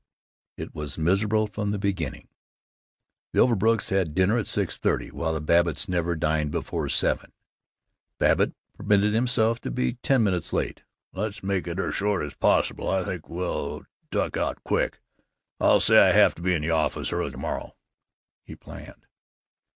It was miserable from the beginning. The Overbrooks had dinner at six thirty, while the Babbitts never dined before seven. Babbitt permitted himself to be ten minutes late. "Let's make it as short as possible. I think we'll duck out quick. I'll say I have to be at the office extra early to morrow," he planned.